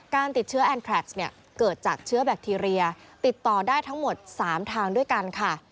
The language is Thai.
การติดเชื้อแอนแทรกเนี่ยเกิดจากเชื้อแบคทีเรียติดต่อได้ทั้งหมด๓ทางด้วยกันค่ะ